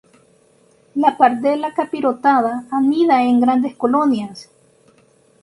La pardela capirotada anida en grandes colonias.